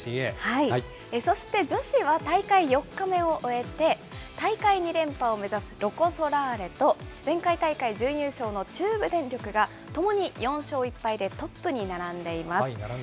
そして、女子は大会４日目を終えて、大会２連覇を目指すロコ・ソラーレと、前回大会準優勝の中部電力が、ともに４勝１敗でトップに並んでいます。